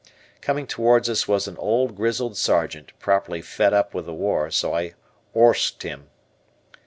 Coming towards us was an old grizzled Sergeant, properly fed up with the war, so I "awsked" him.